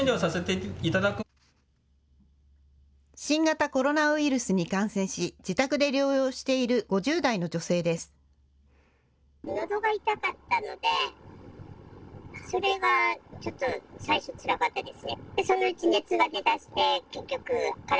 新型コロナウイルスに感染し、自宅で療養している５０代の女性です。